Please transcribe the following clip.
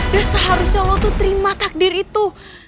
dia seharusnya lo tuh terima takdir itu